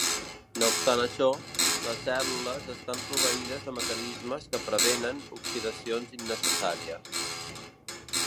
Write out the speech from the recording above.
No obstant això, les cèl·lules estan proveïdes de mecanismes que prevenen oxidacions innecessàries.